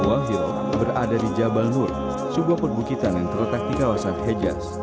gua hiro berada di jabal nur sebuah perbukitan yang terletak di kawasan hejaz